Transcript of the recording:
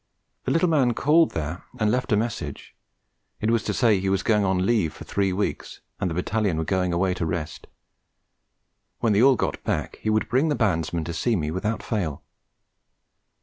The little man called there and left a message; it was to say he was going on leave for three weeks, and the Battalion were going away to rest. When they all got back, he would bring the bandsman to see me without fail.